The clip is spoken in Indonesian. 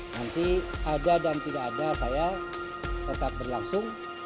nanti ada dan tidak ada saya tetap berlangsung